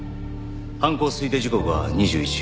犯行推定時刻は２１時頃。